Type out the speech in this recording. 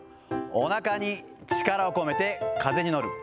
おなかに力を込めて風に乗る。